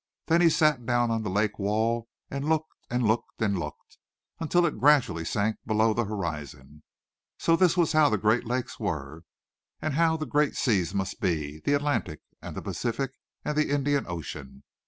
Then he sat down on the lake wall and looked and looked and looked until it gradually sank below the horizon. So this was how the great lakes were; and how the great seas must be the Atlantic and the Pacific and the Indian Ocean.